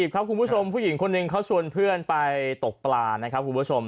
ครับคุณผู้ชมผู้หญิงคนหนึ่งเขาชวนเพื่อนไปตกปลานะครับคุณผู้ชม